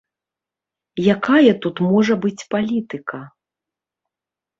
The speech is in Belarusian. Якая тут можа быць палітыка?